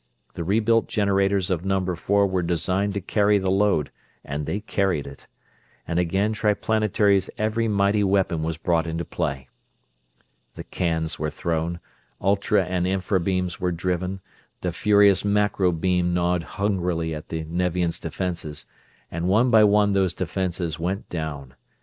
The rebuilt generators of Number Four were designed to carry the load, and they carried it. And again Triplanetary's every mighty weapon was brought into play. The "cans" were thrown, ultra and infra beams were driven, the furious macro beam gnawed hungrily at the Nevian's defenses; and one by one those defenses went down.